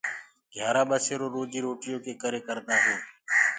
گھيآرآ ٻسيرو روجي روٽيو ڪي ڪري هينٚ۔